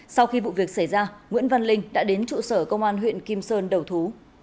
sau khi vụ việc xảy ra nguyễn văn linh đã đến trụ sở công an huyện kim sơn đầu thú